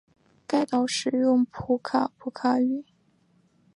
该岛使用普卡普卡语。